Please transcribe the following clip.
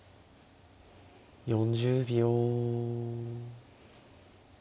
４０秒。